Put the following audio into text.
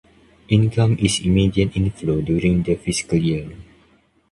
Income is immediate inflow during the fiscal year.